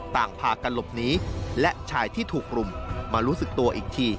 พากันหลบหนีและชายที่ถูกกลุ่มมารู้สึกตัวอีกที